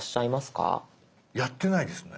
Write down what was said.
やってないですね。